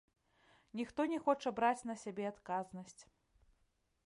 Ніхто не хоча браць на сябе адказнасць.